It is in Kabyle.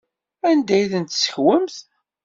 Anda ay ten-tessekwemt?